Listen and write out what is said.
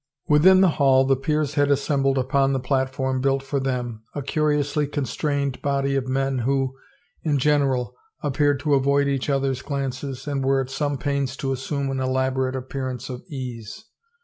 Within the hall the peers had assembled upon the platform built for them, a curiously constrained body of men who, in general, appeared to avoid each other's glances and were at some pains to assume an elaborate appearance of ease.